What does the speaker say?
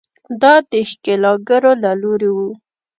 دا د ښکېلاکګرو له لوري وو.